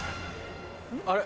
あれ？